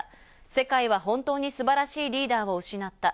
世界は本当に素晴らしいリーダーを失った。